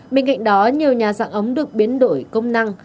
bên cạnh đó nhiều nhà dạng ấm được biến đổi công năng